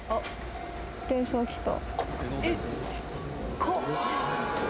電車来た。